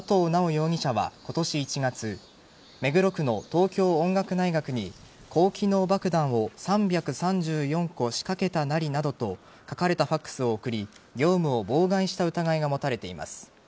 容疑者は今年１月目黒区の東京音楽大学に高機能爆弾を３３４個仕掛けたナリなどと書かれたＦＡＸを送り業務を妨害した疑いが持たれています。